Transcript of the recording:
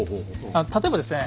例えばですね